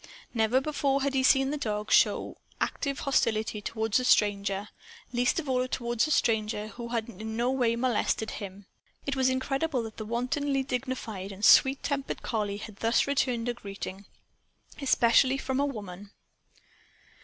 Never before had he seen the dog show active hostility toward a stranger least of all toward a stranger who had in no way molested him. It was incredible that the wontedly dignified and sweet tempered collie had thus returned a greeting. Especially from a woman!